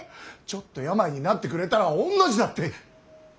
ちょっと病になってくれたら御の字だって。